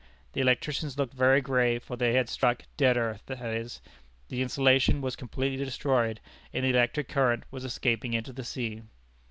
The electricians looked very grave, for they had struck "dead earth," that is, the insulation was completely destroyed, and the electric current was escaping into the sea.